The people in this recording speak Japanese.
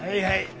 はい